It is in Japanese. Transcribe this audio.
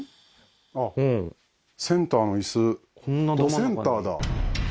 あっセンターの椅子どセンターだ